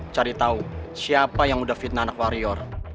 cari tahu siapa yang udah fitnah anak warrior